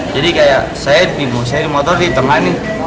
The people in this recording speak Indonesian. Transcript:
jadi kayak saya bingung saya di motor ditemani